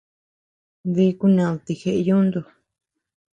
Dí kuned ti jeʼe yuntu.